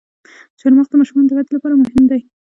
چارمغز د ماشومانو د ودې لپاره مهم دی.